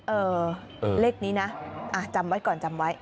เออเลขนี้นะจำไว้ก่อนจำไว้